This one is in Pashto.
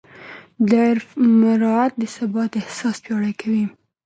د عرف مراعات د ثبات احساس پیاوړی کوي.